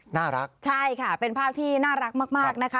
น่ารักใช่ค่ะเป็นภาพที่น่ารักมากนะคะ